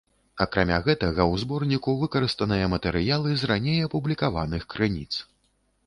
Акрамя гэтага, у зборніку выкарыстаныя матэрыялы з раней апублікаваных крыніц.